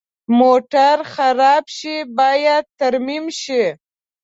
موټر خراب شي، باید ترمیم شي.